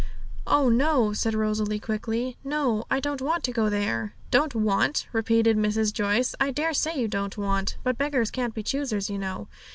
'Oh no!' said Rosalie quickly; 'no, I don't want to go there.' 'Don't want?' repeated Mrs. Joyce; 'I daresay you don't want; but beggars can't be choosers, you know.